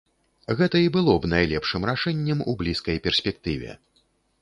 Гэта і было б найлепшым рашэннем у блізкай перспектыве.